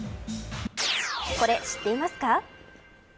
これ、知っていますか。